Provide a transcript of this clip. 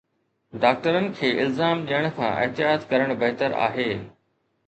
ڊاڪٽرن کي الزام ڏيڻ کان احتياط ڪرڻ بهتر آهي